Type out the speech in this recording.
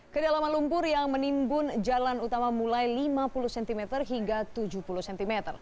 kedalaman lumpur yang menimbun jalan utama mulai lima puluh cm hingga tujuh puluh cm